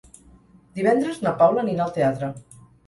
Divendres na Paula anirà al teatre.